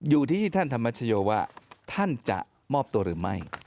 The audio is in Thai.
อยู่ที่ท่านธรรมชโยว่าท่านจะมอบตัวหรือไม่